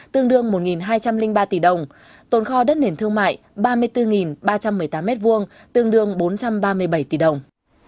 tương đương một hai trăm linh ba tỷ đồng tồn kho đất nền thương mại ba mươi bốn ba trăm một mươi tám m hai tương đương bốn trăm ba mươi bảy tỷ đồng